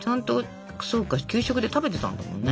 そうか給食で食べてたんだもんね。